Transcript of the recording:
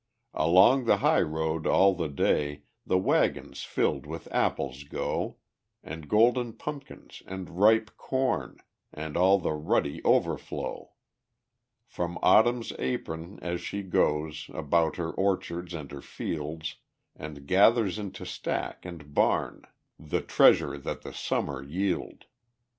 Along the highroad all the day The wagons filled with apples go, And golden pumpkins and ripe corn, And all the ruddy overflow From Autumn's apron, as she goes About her orchards and her fields, And gathers into stack and barn The treasure that the Summer yield.